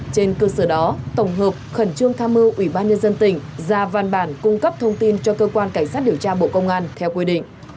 trên cơ sở đó tổng hợp khẩn trương tham mưu ủy ban nhân dân tỉnh ra văn bản cung cấp thông tin cho cơ quan cảnh sát điều tra bộ công an theo quy định